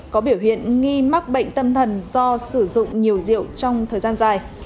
có biểu hiện nghi mắc bệnh tâm thần do sử dụng nhiều rượu trong thời gian dài